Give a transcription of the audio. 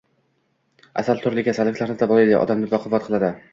Asal turli kasalliklarni davolaydi, odamni baquvvat qiladi.